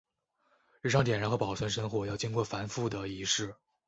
日常点燃和保存神火要经过繁复的仪式。